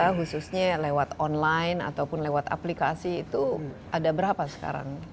jadi anggota khususnya lewat online ataupun lewat aplikasi itu ada berapa sekarang